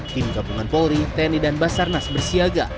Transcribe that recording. tim gabungan polri tni dan basarnas bersiaga